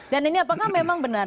dan ini apakah memang benar